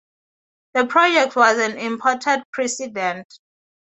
The project was an important precedent.